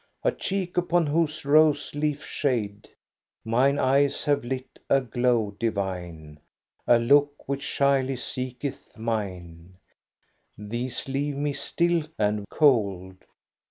A cheek upon whose rose leaf shade Mine eyes have lit a glow divine, A look which shyly seeketh mine, — These leave me still and cold.